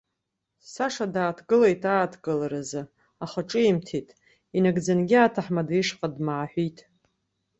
Саша дааҭгылеит ааҭгыларазы, аха ҿимҭит, инагӡангьы аҭаҳмада ишҟа дмааҳәит.